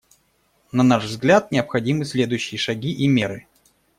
На наш взгляд, необходимы следующие шаги и меры.